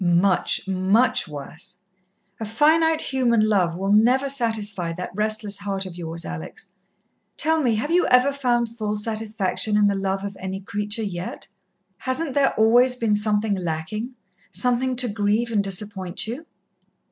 "Much, much worse. A finite human love will never satisfy that restless heart of yours, Alex. Tell me, have you ever found full satisfaction in the love of any creature yet? Hasn't there always been something lacking something to grieve and disappoint you?"